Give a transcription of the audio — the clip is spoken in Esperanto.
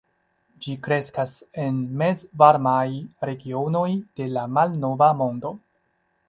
Ĝi kreskas en mezvarmaj regionoj de la malnova mondo.